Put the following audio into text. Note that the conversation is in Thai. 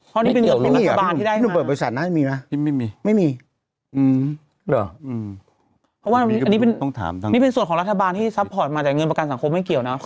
ไม่เกี่ยวรู้นี่เป็นเงินประกันสังคมที่ได้มานี่เป็นส่วนของรัฐบาลที่ซัพพอร์ตมาแต่เงินประกันสังคมไม่เกี่ยวนะ